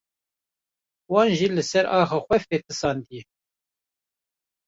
wan jî li ser axa xwe fetisandiye